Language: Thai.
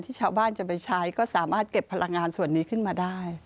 ชาวบ้านจะไปใช้ก็สามารถเก็บพลังงานส่วนนี้ขึ้นมาได้